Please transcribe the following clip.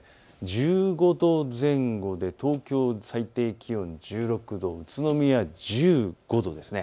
１５度前後で東京最低気温１６度、宇都宮１５度です。